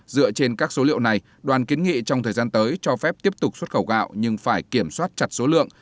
dựa trên các số liệu này đoàn kiến nghị trong thời gian tới cho phép tiếp tục xuất khẩu gạo nhưng phải kiểm soát chặt số lượng